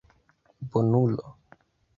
bonulo